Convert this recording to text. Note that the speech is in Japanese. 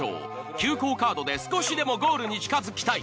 急行カードで少しでもゴールに近づきたい。